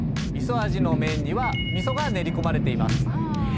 味噌味の麺には味噌が練り込まれています。